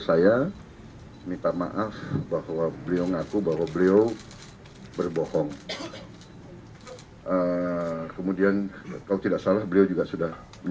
saya minta maaf bahwa beliau ngaku bahwa beliau berbohong kemudian kalau tidak salah beliau juga sudah